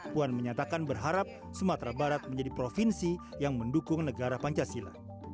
puan menyatakan berharap sumatera barat menjadi provinsi yang mendukung negara pancasila